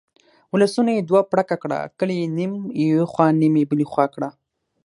ولسونه یې دوه پړکه کړه، کلي یې نیم یو خوا نیم بلې خوا کړه.